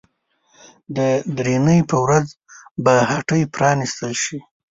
د درېنۍ په ورځ به هټۍ پرانيستل شي.